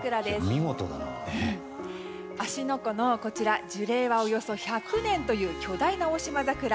湖のこちら樹齢はおよそ１００年という巨大なオオシマザクラ。